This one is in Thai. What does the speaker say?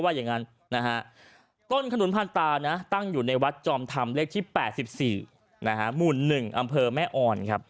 ต้นขนุนพรรณตาตั้งอยู่ในวัดจอมธรรมเลขที่๘๔หมุน๑อำเภอแม่อ่อน